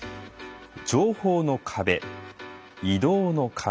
情報の壁。